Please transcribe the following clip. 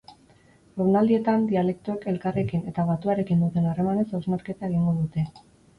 Jardunaldietan, dialektoek elkarrekin eta batuarekin duten harremanaz hausnarketa egingo dute.